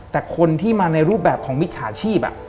แต่คนที่มาในรูปแบบของมิจฉาชีพ